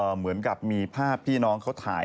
เหมือนกับมีภาพพี่น้องเขาถ่าย